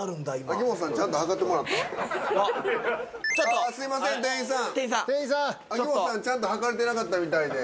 秋元さんちゃんと測れてなかったみたいで。